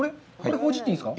ほじっていいんですか？